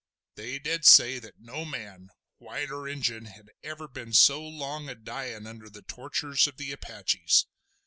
They did say that no man, white or Injun, had ever been so long a dying under the tortures of the Apaches.